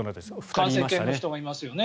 感染研の人がいますよね。